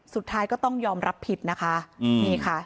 สุดท้ายก็ต้องยอมรับผิดนะคะ